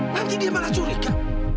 nanti dia malah curiga